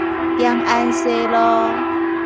長安西路